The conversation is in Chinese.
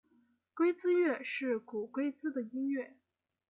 龟兹乐是古龟兹的音乐。